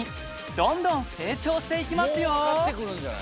どんどん成長していきますよ。